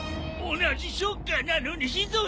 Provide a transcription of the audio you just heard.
同じショッカーなのにひどい。